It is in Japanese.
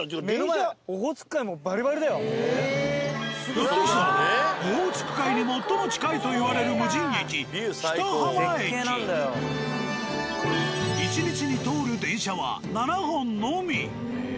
やって来たのはオホーツク海に最も近いといわれる１日に通る電車は７本のみ。